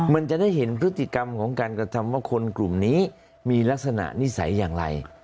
มันจะได้เห็นพฤติกรรมของการกระทำว่าคนกลุ่มนี้มีลักษณะนิสัยอย่างไร